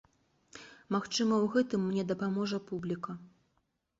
Магчыма, у гэтым мне дапаможа публіка.